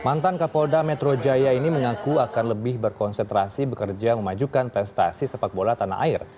mantan kapolda metro jaya ini mengaku akan lebih berkonsentrasi bekerja memajukan prestasi sepak bola tanah air